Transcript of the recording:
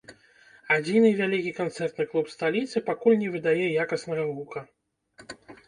Адзіны вялікі канцэртны клуб сталіцы пакуль не выдае якаснага гука.